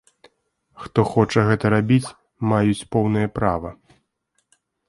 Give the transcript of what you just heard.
Хто хоча гэта рабіць, маюць поўнае права.